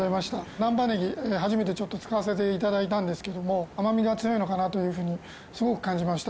難波ネギ初めて使わせて頂いたんですけども甘みが強いのかなというふうにすごく感じました。